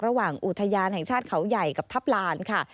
อุทยานแห่งชาติเขาใหญ่กับทัพลานค่ะ